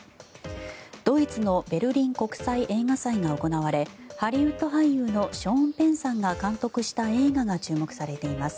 ドイツのベルリン国際映画祭が行われハリウッド俳優のショーン・ペンさんが監督した映画が注目されています。